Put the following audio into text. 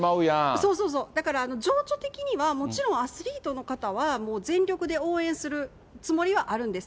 そうそうそう、だから情緒的には、もちろんアスリートの方はもう全力で応援するつもりはあるんです。